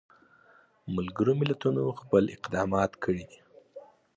ملګرو ملتونو خپل اقدامات کړي دي.